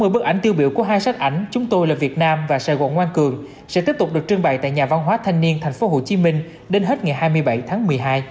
một trăm sáu mươi bức ảnh tiêu biểu của hai sách ảnh chúng tôi là việt nam và sài gòn ngoan cường sẽ tiếp tục được trưng bày tại nhà văn hóa thanh niên thành phố hồ chí minh đến hết ngày hai mươi bảy tháng một mươi hai